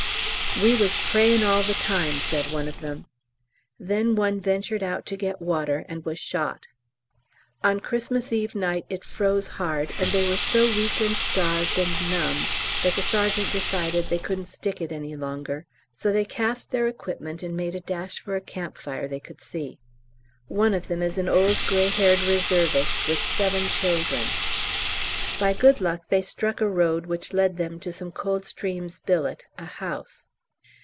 "We was prayin' all the time," said one of them. Then one ventured out to get water and was shot. On Xmas Eve night it froze hard, and they were so weak and starved and numb that the Sergt. decided that they couldn't stick it any longer, so they cast their equipment and made a dash for a camp fire they could see. One of them is an old grey haired Reservist with seven children. By good luck they struck a road which led them to some Coldstreams' billet, a house.